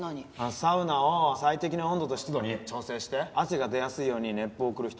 サウナを最適な温度と湿度に調整して汗が出やすいように熱風を送る人。